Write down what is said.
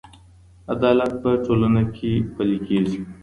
عدالت په ټولنه کې پلې کیږي.